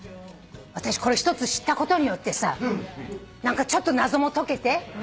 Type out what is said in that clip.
私これ一つ知ったことによって何かちょっと謎も解けて何歳になっても。